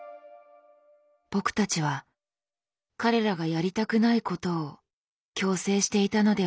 僕たちは彼らがやりたくないことを強制していたのではないか？